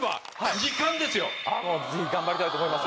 ぜひ頑張りたいと思います。